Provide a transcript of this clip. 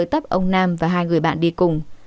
tấp ông nam và hai người bạn đi cùng